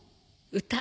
歌。